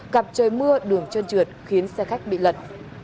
gặp trời mưa đường trơn trượt khiến xe khách bị lật